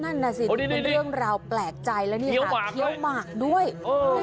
นั่นน่ะสินี่เป็นเรื่องราวแปลกใจแล้วนี่ต้องเคี้ยวหมากด้วย